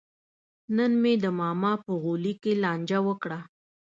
نن یې د ماما په غولي کې لانجه وکړه.